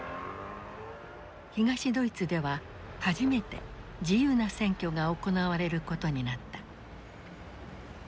東ドイツでは初めて自由な選挙が行われることになった。